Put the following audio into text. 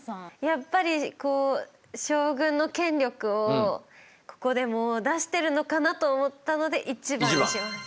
やっぱりこう将軍の権力をここでも出してるのかなと思ったので１番にします。